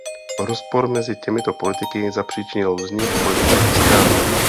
Rozpor mezi těmito politiky zapříčinil vznik politických stran.